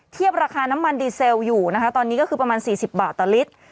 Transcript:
ราคาน้ำมันดีเซลอยู่นะคะตอนนี้ก็คือประมาณ๔๐บาทต่อลิตร